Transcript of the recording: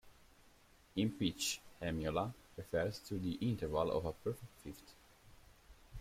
In pitch, "hemiola" refers to the interval of a perfect fifth.